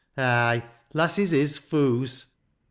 Ay, lasses is foo's.